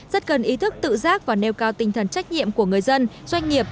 rất cần ý thức tự giác và nêu cao tinh thần trách nhiệm của người dân doanh nghiệp